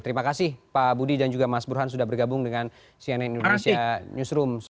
terima kasih pak budi dan juga mas burhan sudah bergabung dengan cnn indonesia newsroom